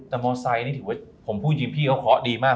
แต่มอไซค์นี่ถือว่าผมพูดจริงพี่เขาเคาะดีมาก